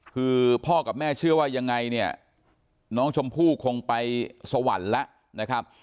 คือพ่อกับแม่เชื่อว่ายังไงเนี่ยน้องชมพู่คงไปสวรรค์แล้วนะครับ